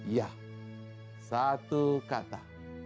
ya satu kata